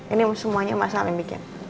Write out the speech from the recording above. ini semuanya mas al yang bikin